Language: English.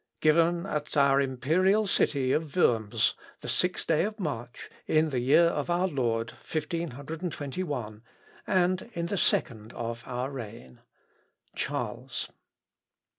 "Given at our imperial city of Worms, the sixth day of March, in the year of our Lord, 1521, and in the second of our reign. "CHARLES.